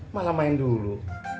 malah main dulu